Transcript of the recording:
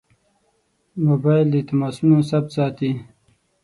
موبایل د تماسونو ثبت ساتي.